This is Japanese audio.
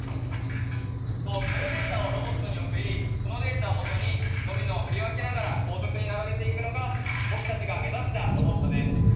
このデータをロボットに送りこのデータをもとにドミノを振り分けながら高速に並べていくのが僕たちが目指したロボットです。